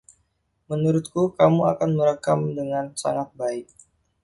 Menurutku, kamu akan merekam dengan sangat baik.